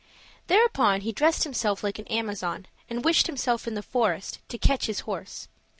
Thereupon, he dressed himself like an Amazon, and wished himself in the forest, to catch his horse.